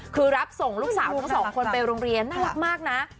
คือรับส่งลูกสาวทั้งสองคนไปโรงเรียนน่ารักมากนะ